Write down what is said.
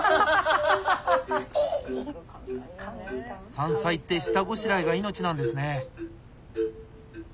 山菜って下ごしらえが命なんですね。